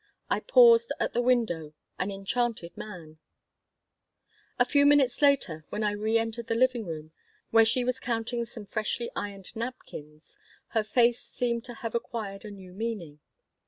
I paused at the window, an enchanted man A few minutes later, when I re entered the living room, where she was counting some freshly ironed napkins, her face seemed to have acquired a new meaning.